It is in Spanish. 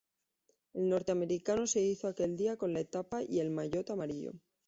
El norteamericano se hizo aquel día con la etapa y el maillot amarillo.